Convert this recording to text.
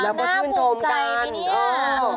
แล้วก็ชื่นโท่มการณ์น้ำภูมิใจไปเนี่ย